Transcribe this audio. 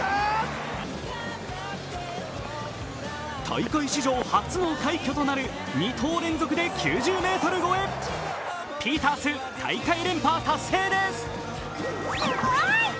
大会史上初の快挙となる２投連続で９０ｍ越えピータース、大会連覇達成です。